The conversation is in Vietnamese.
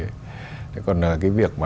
còn việc mà chúng ta tạo ra